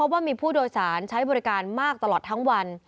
ว่ามีผู้โดยสารใช้บริการมากตลอดทั้งวัน